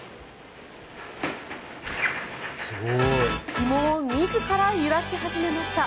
ひもを自ら揺らし始めました。